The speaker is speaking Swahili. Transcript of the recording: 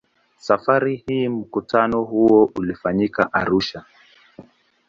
Safari hii mkutano huo ulifanyika Arusha.